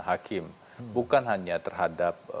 hakim bukan hanya terhadap